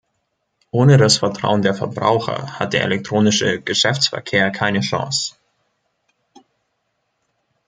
Ohne das Vertrauen der Verbraucher hat der elektronische Geschäftsverkehr keine Chance.